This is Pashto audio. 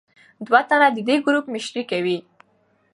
دوه تنه د دې ګروپ مشري کوي.